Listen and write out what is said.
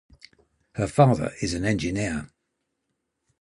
Her father is an engineer.